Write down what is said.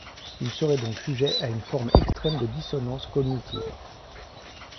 Il serait donc sujet à une forme extrême de dissonance cognitive.